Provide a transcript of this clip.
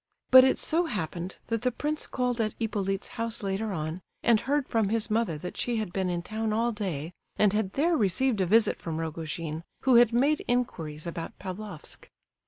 But it so happened that the prince called at Hippolyte's house later on, and heard from his mother that she had been in town all day, and had there received a visit from Rogojin, who had made inquiries about Pavlofsk.